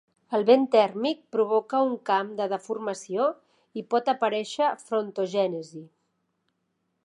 El vent tèrmic provoca un camp de deformació i pot aparèixer frontogènesi.